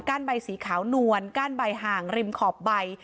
ใบสีขาวนวลก้านใบห่างริมขอบใบ